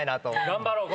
頑張ろう。